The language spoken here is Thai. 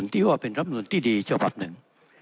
ที่ว่าเป็นรับหนุนที่ดีเจ้าปัปหนึ่ง